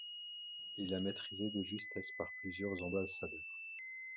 Il est maîtrisé de justesse par plusieurs ambassadeurs.